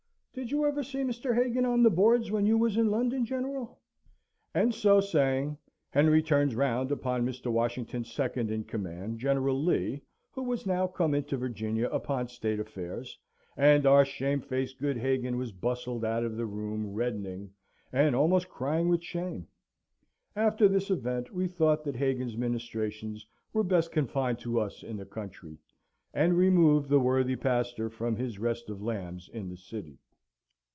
Did you ever see Mr. Hagan on the boards, when you was in London, General?" And, so saying, Henry turns round upon Mr. Washington's second in command, General Lee, who was now come into Virginia upon State affairs, and our shamefaced good Hagan was bustled out of the room, reddening, and almost crying with shame. After this event we thought that Hagan's ministrations were best confined to us in the country, and removed the worthy pastor from his restive lambs in the city.